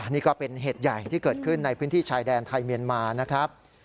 นี่ก็เป็นเหตุใหญ่ที่เกิดขึ้นในพื้นที่ชายแดนไทยเมียนมานะครับ